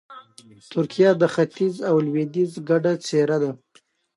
ترکیه د ختیځ او لویدیځ ګډه څېره ده.